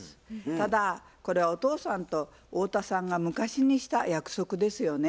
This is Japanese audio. ただこれはお父さんと太田さんが昔にした約束ですよね。